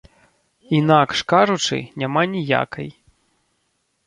Інакш кажучы, няма ніякай.